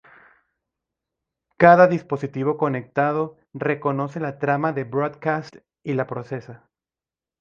Cada dispositivo conectado reconoce la trama de "broadcast" y la procesa.